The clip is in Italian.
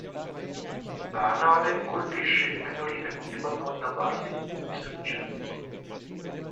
La nave colpisce il meteorite con dei palloni da basket, distruggendolo.